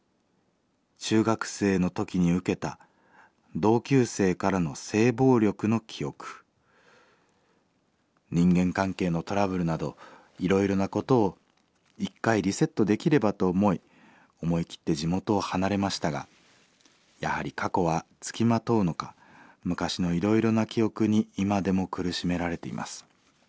中学生の時に受けた同級生からの性暴力の記憶人間関係のトラブルなどいろいろなことを１回リセットできればと思い思い切って地元を離れましたがやはり過去は付きまとうのか昔のいろいろな記憶に今でも苦しめられています。